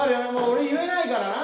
俺言えないからな。